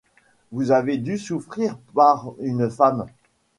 Vous avez dû souffrir par une femme.